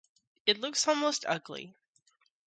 It looks almost ugly.